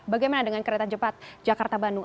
bagaimana dengan kereta cepat jakarta bandung